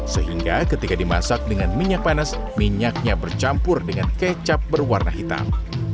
sehingga ketika dimasak dengan minyak panas minyaknya bercampur dengan kecap berwarna hitam